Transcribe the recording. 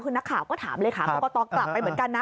คือนักข่าวก็ถามเลขากรกตกลับไปเหมือนกันนะ